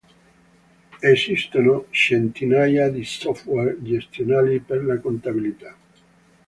Esistono centinaia di software gestionali per la contabilità.